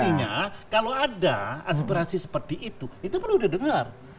artinya kalau ada aspirasi seperti itu itu perlu didengar